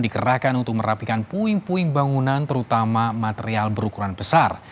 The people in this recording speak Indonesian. tim gabungan juga dihadapkan untuk merapikan puing puing bangunan terutama material berukuran besar